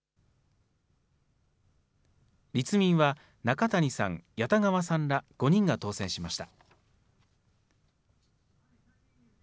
立民は中谷さん、谷田川さんら５人が当選しました。